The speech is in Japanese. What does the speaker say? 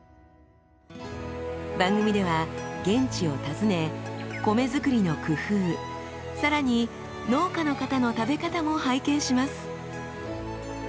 番組では現地を訪ね米作りの工夫更に農家の方の食べ方も拝見します。